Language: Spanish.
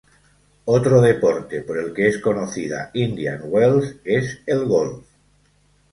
Otro deporte por el que es conocida Indian Wells es el golf.